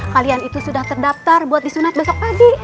kalian itu sudah terdaftar buat disunat besok pagi